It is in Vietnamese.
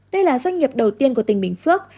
đây là doanh nghiệp đầu tiên của tỉnh bình phước